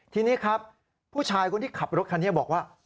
ทีนี้ครับผู้ชายคนที่ขับรถคันนี้บอกว่า